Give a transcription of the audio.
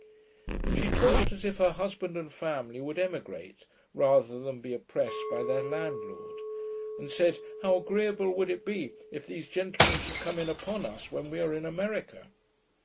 She talked as if her husband and family would emigrate, rather than be oppressed by their landlord; and said, 'how agreeable would it be, if these gentlemen should come in upon us when we are in America'.